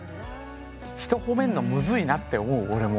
人褒めんのむずいなって思う俺も。